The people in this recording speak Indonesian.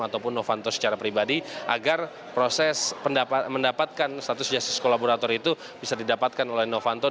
ataupun novanto secara pribadi agar proses mendapatkan status justice kolaborator itu bisa didapatkan oleh novanto